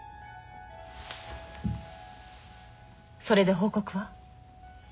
それで報告は？